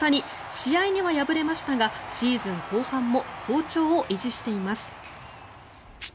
試合には敗れましたがシーズン後半も好調を維持しています。